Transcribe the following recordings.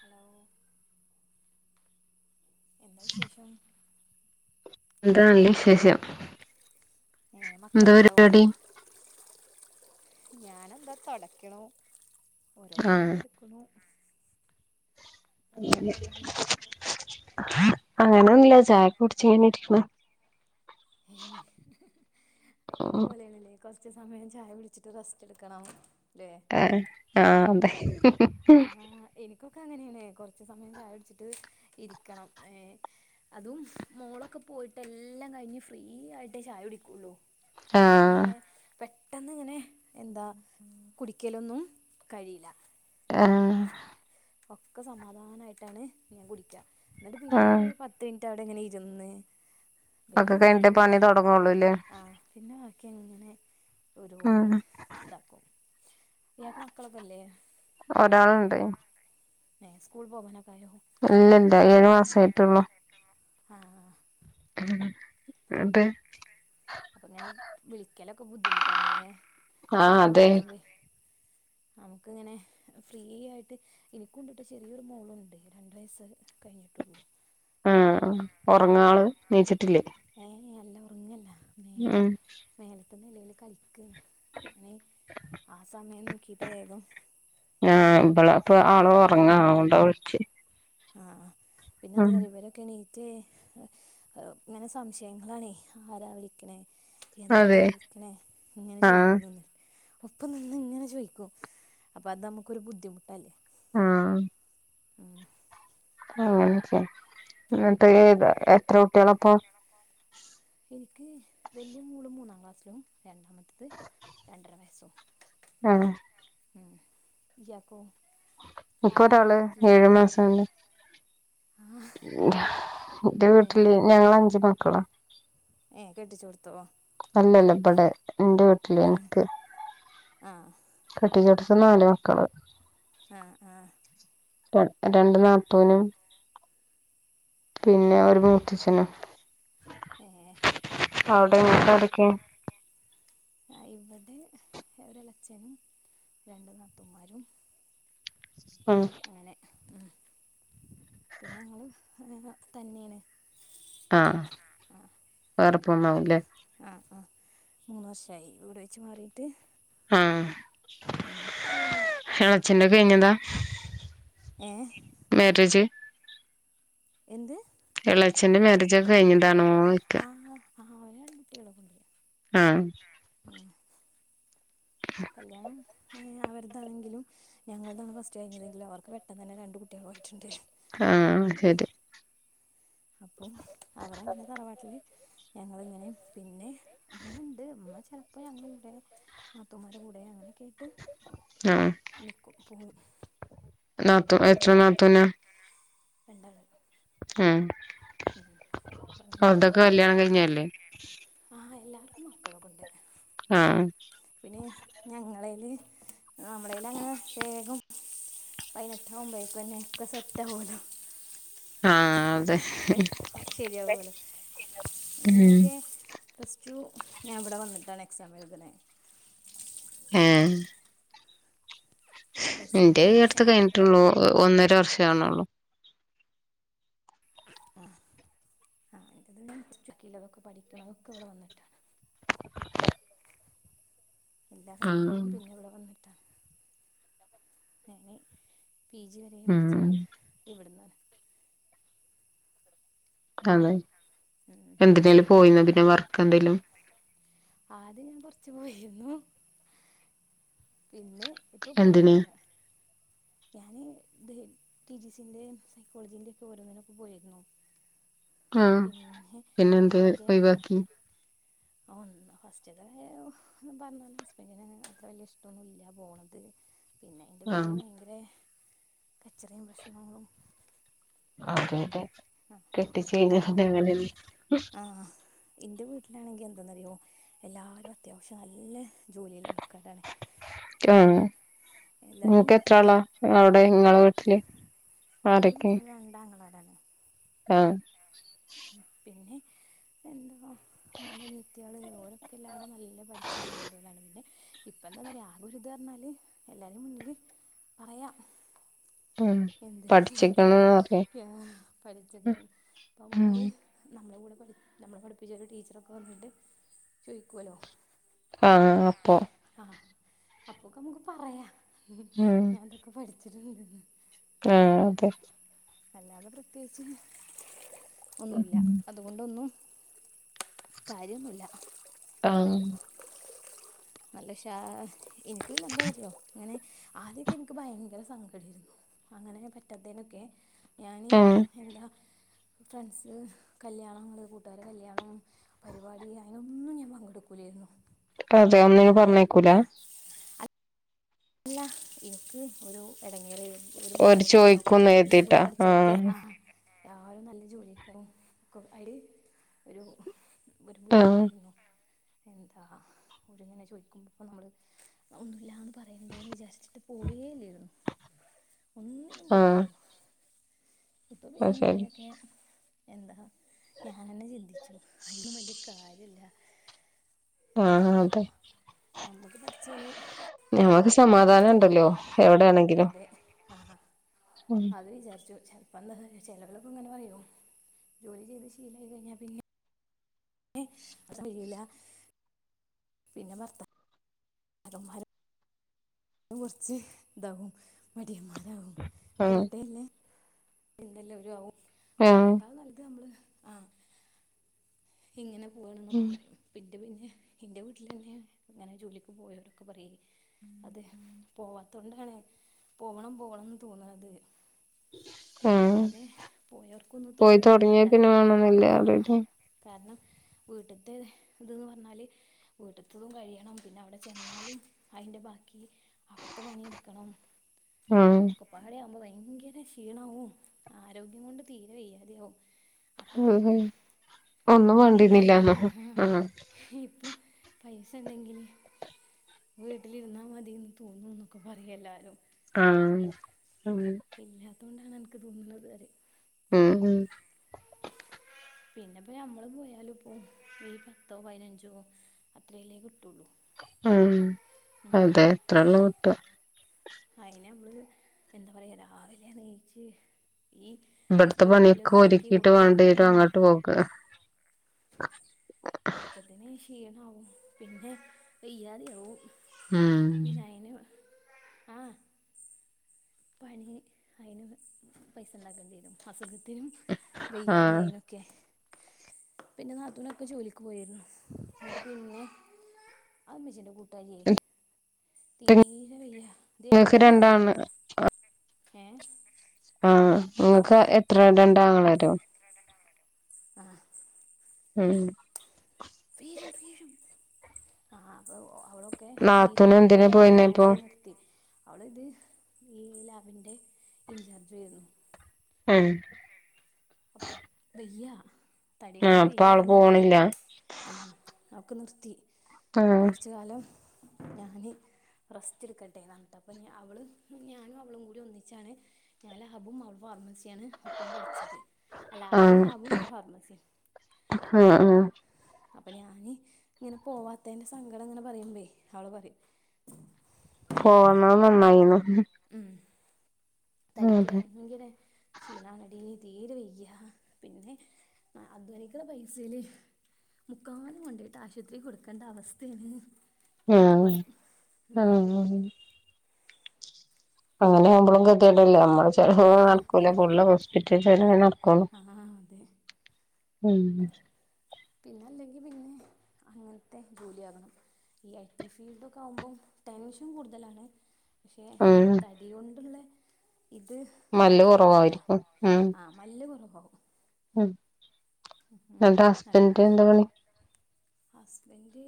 Hello [unintelligible] എന്താ വിശേഷം എന്താണല്ല വിശേഷം ഏ എന്താ പരിപാടി ഞാന എന്താ തുടക്കണു ഓരോ പണി ഇങ്ങനെ എടുക്കണു ഇയാൾക്ക് ഉ എന്താ പണി അങ്ങനെൊന്നില്ല ചായ കുടച്ച്ങ്ങനെ ഇരിക്കണ എന്റെ മലണല്ലേ [unintelligible] കുറച്ച സമയം ചായ കുടിച്ചിട്ട് റസ്റ്റ് എടുക്കണാവ- ആഹ ആഹ അതെ ആഹ എനിക്ക- അങ്ങനെയാണ് കുറച്ച സമയം ചായടിച്ചിട്ട് ഇരിക്കണം അതും മോളൊക്കെ പോ- പോയിട്ട് എല്ലാം കഴി ഫ്രീ ആയിട്ട് ചായ കുടിക്കുള്ളൂ അല്ലാതെ ആഹ് ഇങ്ങനെ- പെട്ടെന്ന് ഇങ്ങനെ എന്താ കുടിക്കലൊന്നും കഴിയില്ല ആഹ ഒക്കെ സമാധാനമായിട്ടാണ് ഞാൻ കുടിക്കുക എന്നിട്ട് പിന്നെ ആഹ് പത്ത് മിന- ഇവിടെയങ്ങനെ ഇരുന്ന് പിന്നെ ഒക്കെ ബാക്കി കഴിഞ്ഞിട്ടേ ഇങ്ങനെ പണി തൊടങ്ങൊള്ളൂല്ലേ ആ പിന്നെ ബാക്കിങ്ങനെ- ഒരു മൂന്ന് ഉം ഇതാക്കും ഇയാക്ക് മക്കളൊക്കെല്ലേ ഒരാളുണ്ട് സ്കൂൾ പോന കായ [unintelligible] ഇല്ല ഇല്ല ഏഴു മാസ ആയിട്ടുള്ളൂ ആ അതേ അപ്പ ഇങ്ങനെ വിളിക്കലൊക്കെ ബുദ്ധിമുട്ടാണല്ലേ ആഹ് ചെറിയ അതെ മക്കളാവകുമ്പയി- നമുക്ക് ഇങ്ങനെ ഫ്രീ ആയിട്ട് എനിക്ക കൊണ്ടിട്ട് ചെറിയൊരു മോളുണ്ട് രണ്ട് വയസ്സ് കഴിഞ്ഞ- കേിട്ടുള്ള [unintelligible] ആഹ ഉറങ്ങ ആള് എണീച്ചിട്ടില്ലേ ഏ അല്ല ഉറങ്ങല്ല ഉം പത്ത നിലൽ കളിക്ക ഞന ആ [unintelligible] സമയം നോക്കിട്ട് വേഗം ഹ് ഇബള അപ്പൊ ആള ഉറങ്ങാൊണ്ടാ വിളിച്ചച്ച് ആഹ് പിന്നെന്തായ ഇവരൊക്കെയാണ് മറ്റേ ഇങ്ങനെ സംശയങ്ങളാണേ ആരാ വിളിക്കണേ എന്താ അതെ വിളിക്കണേ ഇങ്ങനെ ആഹ് ചോയ്ക്കുംനിന്നിട്ട് ഒപ്പം നിന്നങ്ങനെ ചോദിക്കും അപ്പ അത് നമുക്കൊരു ബുദ്ധിമുട്ടല്ലേ ആഹ് അങ്ങനെചെ ങ്ങെൻതേതാ എത്ര കുട്ട്യേളാ പ്പം? ക്ക് വല്യ മൂളും മൂന്നാം ക്ലാസ്സിലും രണ്ടാമത്തത് രണ്ടര വയസ്സും. ആഹ് ഇയാകോ ൻകൊരാള് ഏഴു മാസാവ്ണ്. ന്റെ വീട്ടില് ഞങ്ങള് അഞ്ചു മക്കളാ. ഏഹ് കെട്ടിച്ചോട് എല്ലല്ല ബെടെ ന്റെ വീട്ടില് ഏ എൻക്ക്. ആഹ് [unintelligible] നാല് മക്കള് ആഹ് ആഹ് ര രണ്ട് നാത്തൂനും പിന്നെ ഒരു മൂത്തഛനും ഏഹ് അവിടെ ങ്ങക്ക് ആരൊക്കെ? അഹ് ഇവടെ ഒളച്ഛനും രണ്ടു നത്തുമാരും. അഹ് ഉം പിന്നെ അങ്ങള് ഹെ തന്നെയാണ്. ആഹ് വേറെപ്പോന്നാഉലേ,? ആഹ് ആഹ് മൂന്ന് വർഷയി വീട് വെച്ച് മാറിയിട്ട്. ആഹ് ഉം എളച്ചന്റെ കഴിഞ്ഞതാ? ഏഹ് മാരേജ് എന്ത് എളച്ച്ചന്റെ മാരേജ് ഒക്കെ കഴിഞ്ഞിതാണോയ്ക്ക? ആ അവന് രണ്ട് ട്ട്യാളൊക്കെണ്ട് ആ കല്യാണം അവരുതാണെങ്കിലും ഞങ്ങളതാണ് ഫസ്റ്റ് കഴിഞ്ഞതെങ്കിലും അവർക്ക് പെട്ടെന്ന് തന്നെ രണ്ട് കുട്ടികൾ ആയിട്ടുണ്ട് ആഹ് ശരി അപ്പം അവരങ്ങനെ തറവാട്ടില് ഞങ്ങളിങ്ങനെ പിന്നെ അമ്മ ഉണ്ട് അമ്മ ചിലപ്പോ ഞങ്ങടെ കൂടെ നാത്തൂമാരുടെ കൂടെ അങ്ങനെയക്കെ ആയിട്ട് നിക്കും പോവും നാത്തു എത്ര നാത്തൂനാ രണ്ടാൾ ആഹ് അപ്പം അങ്ങനെയൊക്കെ അവരോടൊക്കെ കല്യാണം കഴിഞ്ഞതല്ലേ ആ മക്കളൊക്കെ ഉണ്ട് ആഹ് പിന്നെ ഞങ്ങളെല് നമ്മടെലങ്ങനെ വേഗം പയിനേട്ടാകുമ്പേ പിന്നെ ഒക്കെ സെറ്റ് ആവുവല്ലോ ആഹ് അതെ ഒക്കെ ശരിയാവലോ ഉം എന്നെയൊക്കെ പ്ലസ് ടു ഞാൻ ഇവിടെ വന്നിട്ടാണ് എക്സാം എഴുതണെ ആഹ് പ്ലസ് എന്റെ ടു ഈ അടുത്ത് എക്സാം കഴിഞ്ഞിട്ടെള്ളൂ ഒന്നര വർഷവാകുന്നേ ഉള്ളു ആഹ് ആഹ് ഇതു പിന്നെ അതൊക്കെ പഠിക്കണതൊക്കെ ഇവിടെ വന്നിട്ടാണ് എല്ലാ ആഹ് കാര്യങ്ങളും പിന്നെ ഇവിടെ വന്നിട്ടാണ് ഞാൻ പി ജി വരെയെ ഉം പഠിച്ചത് ഇവിടുന്നാണ ആണോ ഉം എന്തിനെലും കല്യാണം ഒക്കെ പോയിനോ പിന്നെ വർക്ക് എന്തേലും ആദ്യം ഞാൻ കുറച്ച് പോയിരുന്നു പിന്നെ ഇപ്പൊ എന്തിന് പോണൊന്നുല്ല ഞാന് ടിടിസിന്റെയും സൈക്കോളജീന്റെ ഒക്കെ ഓരോന്നിനൊക്കെ പോയിരുന്നു [inaudible] ആഹ് പിന്നെ എന്തേ മറ്റേ ഒഴിവാക്കി ഒന്ന് ഫസ്റ്റ്ലെ പറഞ്ഞാൽ ഹസ്ബൻഡ്ന് അത്ര വല്യ ഇഷ്ടം ഒന്നുല്ല പോണത് [unintelligible] ആഹ് ഭയങ്കര കച്ചറയും പ്രശ്നങ്ങളും അതെ ആ കെട്ടിച്ച് നമ്മള് കഴിഞ്ഞ [unintelligible] എന്റെ വീട്ടിലാണെങ്കിൽ എന്താന്നറിയോ എല്ലാരും അത്യാവശ്യം നല്ല ജോലിയുള്ള ആൾക്കാരാണ് ആഹ് എല്ലാരും നിങ്ങക്ക് എത്ര ആളാ അവിടെ നിങ്ങളെ വീട്ടില് എൻ്റെ ആരൊക്കെ വീട്ടിൽ രണ്ടാങ്ങളാരാണ് ആഹ് പിന്നെ എന്താ ഉമ്മാന്റെ അനിയത്തികള് ഒരൊക്കെ എല്ലരും നല്ല പഠിച്ച ജോലിയിലുള്ളതാണ് പിന്നെ ഇപ്പ എന്താന്ന് അറിയോ ആകെ ഉള്ള ഇത് പറയുവാണേൽ എല്ലാരും പറയാ ഉം എന്ത് പഠിച്ചിക്കണന്ന് പറഞ്ഞ് [unintelligible] പഠിച്ചത് ഉം വീട് നമ്മളുടെ കൂടെ നമ്മളെ പഠിപ്പിച്ച ഒരു ടീച്ചറൊക്കെ വന്നിട്ട് ചോദിക്കുവല്ലോ ആഹ് അപ്പൊ അപ്പൊക്കെ നമുക്ക് പറയാ ഉം ഞാൻ അതൊക്കെ പഠിച്ചിട്ടുണ്ട്ന്ന് ആഹ് അതെ അല്ലാതെ പ്രത്യേകിച്ച് ഒന്നുമില്ല ഉം അതുകൊണ്ടൊന്നും കാര്യോന്നുല്ല ആഹ് നല്ല ക്ഷാഎനക്ക് പിന്നെ എന്താന്ന് അറിയുവോ അങ്ങനെ ആദ്യൊക്കെ എനിക്ക് ഭയങ്കര സങ്കടാരുന്നു അങ്ങനെ പറ്റാതെനൊക്കെ ഞാന് ആഹ് എന്താ ഫ്രണ്ട്സ് കല്യാണം കൂട്ടുകാർ കല്യാണം പരിപാടി അതിനൊന്നും ഞാൻ പങ്കെടുക്കുല്ലായിരുന്നു അതെ ഒന്നിനും പറഞ്ഞയക്കൂല ല്ല എനിക്ക് ഒരു ഇടങ്ങേർ ഒരു ഓര് ബുദ്ധിമുട്ടേന്നു ചോയ്ക്കുംന്ന് ന്റെ കൂടെ കരുതിട്ടാ പഠിച്ചോർക്ക് ആഹ് ആ ആരും നല്ല ജോലിക്കെ ക്കും അയ്ല് ഒരു ഒരു ആഹ് ബുദ്ധിമുട്ടേര്ന്നു എന്താ ഓല്ങ്ങനെ ചോയ്ക്കുമ്പോ പ്പൊ നമ്മള് ഒന്നുല്ലന്ന് പ റയാണ്ടേന്ന് വിചാരിച്ചിട്ട് പോവേല്ലേര്ന്നു ആ ഇപ്പൊ പിന്നിം കുറെക്കെ എന്താ ഞാനെന്നെ ചിന്തി ച്ചും അയ്ലും വല്യ കാര്യല്ല ആ അതെ നമ്മക്ക് പടച്ചോന് ഞമ്മക്ക് സമാധാനണ്ടല്ലോ എവിടെണെങ്കിലും അതെ ആ അത് വിചാരിച്ചും ചെ അപ്പ എന്താ ചെലോലൊക്കെ ഇങ്ങനെ പറയും ജോലി ചെയ്ത് ശീലായി കയ്ഞ്ഞാ പിന്നെ [unintelligible] പിന്നെ ഭർത്ത [unintelligible] കൊർച്ച് ഇതാവും മടിയൻമാരാകും ആഹ് കേട്ടെല്ലെ [unintelligible] അവരും ആവും പ്പൊ ആഹ് അയ്നേകാളും നല്ലത് ഞമ്മള് ഇങ്ങനെ ഉം ട്ട് പിന്നെ ന്റെ വീട്ട്ലെന്നെ ങ്ങനെ ജോലിക്ക് പോയവരൊക്കെ പറയും അത് പോവാ ത്തോണ്ടാണ് പോകണം പോകണംന്ന് തോന്നണത് ആഹ് അല്ലാതെ പോയോർക്കൊന്നും പോയി തോന്നൂല തൊടങ്ങിയാ പിന്നെ വേണന്നില്ല ആ അറിയില്ലേ കാര്ണം വീട്ട്ത്തെ ഇത് ന്ന് പറ്ഞ്ഞാല് വീട്ട്ത്തതും കഴിയണം പിന്നെ അവ്ടെ ചെന്നാലും അയ്ന്റെ ബാക്കി അവിട്ത്തെ പണീട്ക്കണം ആഹ് ഒക്കെപ്പാടെ അമ്ല് [unintelligible] ഭയങ്കെര ക്ഷീണവു ആരോഗ്യം കൊണ്ട് തീരെ വെയ്യാതെയാവും അപ്പൊ അതെ തോന്നും ഒന്നും വേണ്ടിരുന്നില്ല [unintelligible] ആഹ് ഇപ്പൊ പൈസ ഇണ്ടെങ്കില് വീട്ടിലിരുന്നാ മതീന്ന് തോന്നുന്നൊക്കെ പറി എല്ലാരും ആഹ് ഉം അതോണ്ടാണ് അൻക്ക് തോന്നുന്നത് അറിം ഉം ഉം പിന്നെപ്പോ നമ്മള് പോയാലും ഇപ്പൊ ഈ പത്തോ പയ്നഞ്ചോ അത്രല്ലേ കിട്ട് ആഹ് അതെ എത്രള്ളു കിട്ട അയിന് അമ്മള് എന്താ പറയാ രാവിലെ നീ ച്ച് ഇബെട്ത്തെ പണിയൊക്കെ ഒരുക്കീട്ട് കൊടുക്കണം വാണ്ട്യേരും ഉം അങ്ങട്ട് പോക അപ്പത്തിന് ഈ ക്ഷീണ ആവും പിന്നെ വയ്യാത്യെ ആവും ഉം പിന്നെ അയിന് ആഹ് പണി അയ്നു പൈസ ഇണ്ടാക്കണ്ട്യേ രും അസുഖ ത്തിനും വെയ്യാതെ ആഹ് അയിനൊക്കെ പിന്നെ നാത്തൂനൊക്കെ ജോലിക്ക് പോയിര്ന്നു എന്നട്ട് പിന്നെ ഇമ്മച്ചിന്റെ കൂട്ടാര്യെ തീരെ വെയ്യ ഇൻക്ക് രണ്ടാണ് അഹ് ഏഹ് ആഹ് ഇങ്ങക്ക് എത്ര രണ്ടാങ്ങളാരോ ആഹ് ഉം ആഹ് അപ്പൊ അവളൊക്കെ തീരെ നാത്തൂന് വയ്യാതെ എന്തിനാ ആട്ടെ പോയിന്നെ ഇപ്പൊ ജോലി നിർത്തി അവിടെ ഇത് ഈ ലാബിന്റെ ഇൻചാർജ ആയിരുന്നു ഉം [unintelligible] വെയ്യാ തടി ആഹ് കൊണ്ട് അപ്പൊ ആള് വെയ്യാണ് പറഞ്ഞിട്ടേ പോണില്ല അവക്ക് നിർത്തി ആഹ് കൊറച്ച് കാലം ഞാന്- റസ്റ്റ്ടുക്കട്ടെന്ന് പറഞ്ഞിട്ട് അപ്പൊ അവള് ഞാനും അവളും കൂടി ഒന്നിച്ചാണ് ഞാന് ലാബും അവള് - ഫാർമസ ആണ് ഒപ്പം പഠിച്ചത് അല്ല അവള് ആഹ് ലാബും ഞാൻ ഫാർമസി ആഹ് ആഹ് അപ്പൊ ഞാന് ഇങ്ങനെ പോവാത്തതിന്റെ സങ്കടം ഇങ്ങനെ പറയുമ്പഴേ അവള് പറയും ന്മായിന്ന് [unintelligible] ഉം തരിക്ക് അതെ ഭയങ്കര ക്ഷീണം ആണെടി തീര് വെയ്യ പിന്നെ അധ്വനിക്കുള്ള പൈസയില്- മുക്കാലും കൊണ്ടോയിട്ട് ആശുപത്രി കൊടുക്കേണ്ട അവസ്ഥയാണ് എന്നൊക്കെ ആഹ് പറയും ആഹ് അങ്ങനെ ആകുമ്പോഴും ഗതികേട് അല്ലേ നമ്മള് ചെലവ് ആ എങ്കിലും നടക്കൂലോ ഫുള്ള് ഹോസ്പിറ്റൽ- നടക്കുള്ളൂ ആഹ് അതെ ഉം പിന്നെല്ലെങ്കി പിന്നെ- അങ്ങനത്തെ ജോലി ആകണം ഈ ഐ ടി ഫീൽഡ് ഒക്കെ ആകുമ്പോം ടെൻഷൻ കൂടുതലാണ് പക്ഷേ ഉം തരി കൊണ്ടുള്ള- ഇത് മല്ല് അത്ര ഇണ്ടാവൂല കൊറവായിരിക്കും ഉം ആഹ മല്ല് കൊറവ് ഇണ്ടാകും ഉം ഇയാടെ ഹസ്ബൻഡ് അങ്ങനെയുണ്ട് എന്താ പണി ഹസ്ബൻഡ്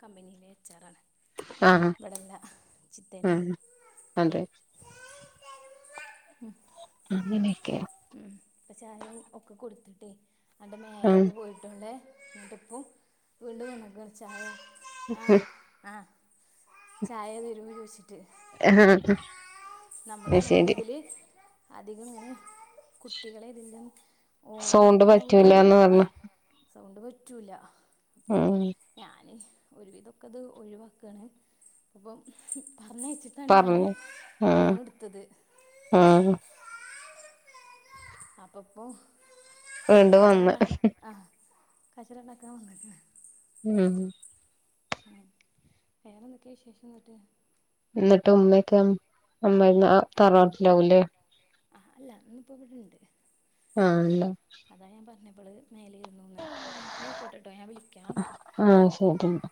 കമ്പനിയിലെ എച്ച് ആർ ആണ് ആഹ് ഇവിടെല്ല ചിത്തേലാണ് ആഹ് അതെ അങ്ങനെയൊക്കെയാ ഇപ്പ ചായയും ഒക്കെ കൊടുത്തിട്ടേ അന്റെ ഉം മേലൊക്കെ പോയിട്ടണ്ട് എന്നിട്ടിപ്പെ വീണ്ടും വന്നക്ക ചായ ആ ആ ചായ തരോ ചോദിച്ചിട്ട് അത് നമ്മളാണെങ്കിൽ ശരി ഇതില് അധികം ഇങ്ങനെ കുട്ടികളെ ഇതിന്ന് സൗണ്ട് ഓവറായിട്ടുള്ള പോയി പറ്റൂലാന്ന് പറഞ്ഞു ആഹ് സൗണ്ട് പറ്റില്ല അപ്പം ഉം ഞാന് ഒരു വിതൊക്കെ ഇത് ഒഴിവാക്കുകയാണ് അപ്പം പറഞ് അയച്ചിട്ടാണ് ഞാന് പറഞ്ഞു ആഹ് ഫോണ് എടുത്തത് ആഹ് അപ്പൊ ഇപ്പോ വീണ്ടും വന്ന് കച്ചറ ഇണ്ടാക്കൻ വന്നക്കാ ഉം ഉം വേറെന്തൊക്കെയാ വിശേഷം ഇന്നിട്ട് എന്നിട്ട് ഉമ്മയക്കെ അമ്മായിമ്മ തറാട്ടില്ലാവൂല്ലേ ആഹ് അല്ല ഉമ്മ ഇപ്പോ ഇവിടെണ്ട് ആഹ് ഉണ്ടാ മേലെ ഇരുന്നുന്ന് ഇന്നാ അയിക്കോട്ടട്ടോ ഞാൻ വിളിക്കാം ആഹ് ശരി